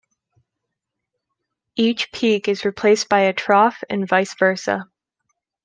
Each peak is replaced by a trough and vice versa.